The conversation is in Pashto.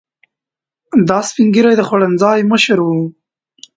دا سپین ږیری د خوړنځای مشر و.